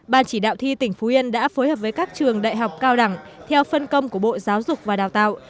ban chỉ đạo thi tỉnh phú yên đã phối hợp với các trường đại học cao đẳng theo phân công của bộ giáo dục và đào tạo